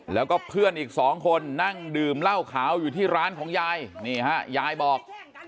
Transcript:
แล้วก็เพื่อนอีกสองคนนั่งดื่มเหล้าขาวอยู่ที่ร้านของยายนี่ฮะยายบอก